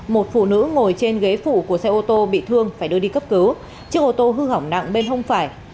một phụ nữ ngồi trên ghế phụ của xe ô tô bị thương phải đưa đi cấp cứu chiếc ô tô hư hỏng nặng bên hông phải